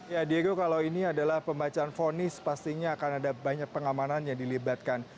ya diego kalau ini adalah pembacaan fonis pastinya akan ada banyak pengamanan yang dilibatkan